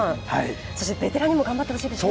そしてベテランにも頑張ってほしいですね。